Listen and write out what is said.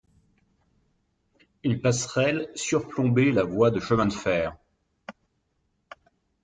Une passerelle surplombait la voie de chemin de fer.